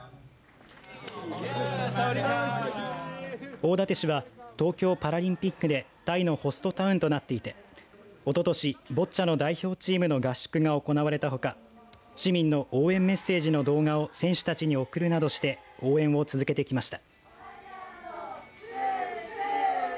大館市は東京パラリンピックでタイのホストタウンとなっていておととし、ボッチャの代表チームの合宿が行われたほか市民の応援メッセージの動画を選手たちに送るなどして応援を続けてきました。